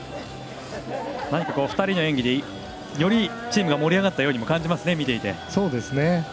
何か２人の演技で、よりチームが盛り上がったようにも感じますね。